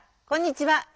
こんにちは。